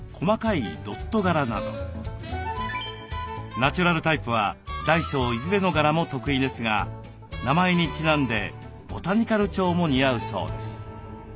ナチュラルタイプは大小いずれの柄も得意ですが名前にちなんでボタニカル調も似合うそうです。